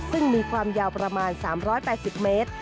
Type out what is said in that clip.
ซึ่งมีความยาวประมาณ๓๘๐เมตร